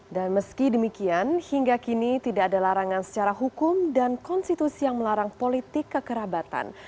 dan meski demikian hingga kini tidak ada larangan secara hukum dan konstitusi yang melarang politik kekerabatan